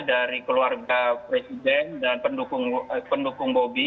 dari keluarga presiden dan pendukung bobi